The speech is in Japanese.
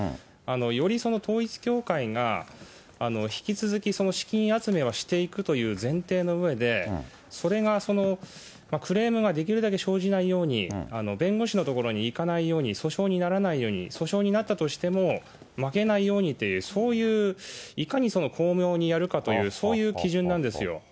より統一教会が引き続き資金集めはしていくという前提のうえで、それがクレームができるだけ生じないように、弁護士の所にいかないように、訴訟にならないように、訴訟になったとしても、負けないようにという、そういう、いかに巧妙にやるかという、そういう基準なんですよ。